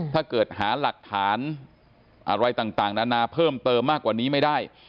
ถ้าเกิดหาหลักฐานอะไรต่างนานาเพิ่มเติมมากกว่านี้ไม่ได้